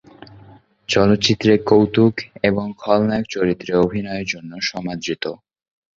চলচ্চিত্রে কৌতুক এবং খলনায়ক চরিত্রে অভিনয়ের জন্য সমাদৃত।